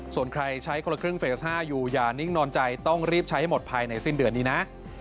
ส่วนใครใช้คนละครึ่งเฟส๕อยู่อย่านิ่งนอนใจต้องรีบใช้ให้หมดภายในสิ้นเดือนนี้นะ